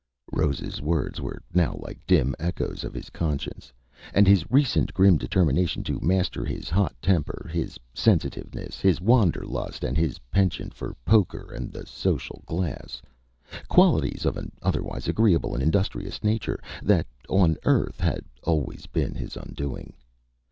Rose's words were now like dim echoes of his conscience, and of his recent grim determination to master his hot temper, his sensitiveness, his wanderlust, and his penchant for poker and the social glass qualities of an otherwise agreeable and industrious nature, that, on Earth, had always been his undoing.